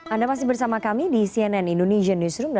anda masih bersama kami di cnn indonesian newsroom